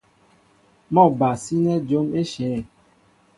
Mɔ́ a ba sínɛ́ jǒm éshe.